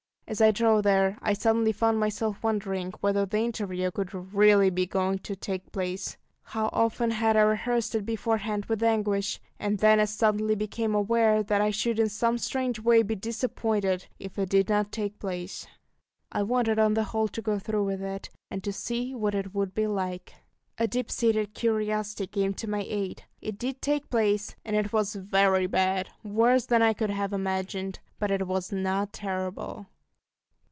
As I drove there, I suddenly found myself wondering whether the interview could REALLY be going to take place how often had I rehearsed it beforehand with anguish and then as suddenly became aware that I should in some strange way be disappointed if it did not take place. I wanted on the whole to go through with it, and to see what it would be like. A deep seated curiosity came to my aid. It did take place, and it was very bad worse than I could have imagined; but it was not terrible!